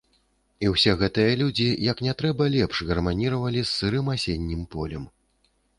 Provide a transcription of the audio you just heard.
І ўсе гэтыя людзі як не трэба лепш гарманіравалі з сырым асеннім полем.